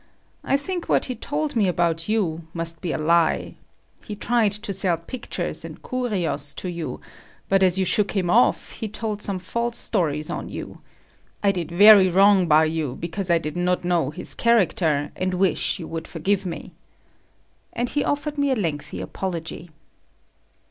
I think what he told me about you must be a lie. He tried to sell pictures and curios to you, but as you shook him off, he told some false stories on you. I did very wrong by you because I did not know his character, and wish you would forgive me." And he offered me a lengthy apology.